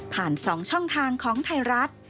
ผ่านสองช่องทางของไทยรัฐ